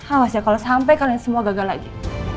awas ya kalau sampai kalian semua gagal lagi